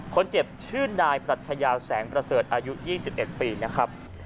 คนเจ็บชื่อนายปรัชญาแสงประเสริฐอายุ๒๑ปีนะครับ